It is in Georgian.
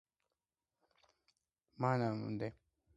მანამდე, ამ არეალს საძოვრად იყენებდნენ.